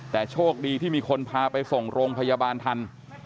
แต่โชคดีที่มีคนพาไปส่งโรงพยาบาลทัน